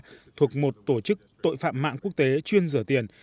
cơ quan cảnh sát châu âu thuộc một tổ chức tội phạm mạng quốc tế chuyên rửa tiền